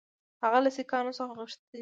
هغه له سیکهانو څخه غوښتي دي.